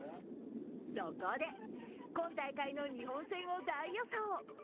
そこで、今大会の日本戦を大予想。